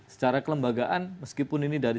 secara kelembagaan meskipun ini dari